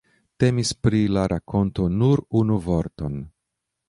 Temis pri la rakonto Nur unu vorton!